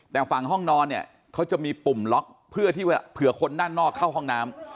แต่ฝั่งห้องนอนเนี่ยเขาจะมีปุ่มล็อกเพื่อที่เผื่อคนด้านนอกเข้าห้องน้ำ